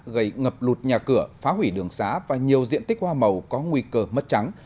gây ngập lụt nhà cửa phá hủy đường xá và nhiều diện tích hoa màu có nguy cơ mất trắng